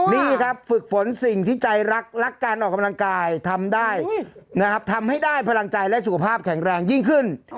นี่ครับฝึกฝนสิ่งที่ใจรักรักการออกกำลังกายทำได้นะครับทำให้ได้พลังใจและสุขภาพแข็งแรงยิ่งขึ้น